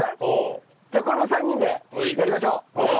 じゃあこれも３人でやりましょう。